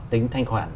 tính thanh khoản